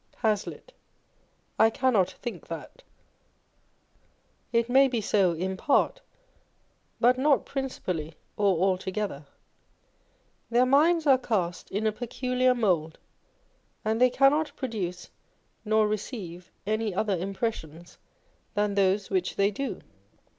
Hazlitt. I cannot think that. It may be so in part, but not principally or altogether. Their minds are cast in a peculiar mould, and they cannot produce nor receive any other impressions than those which they do.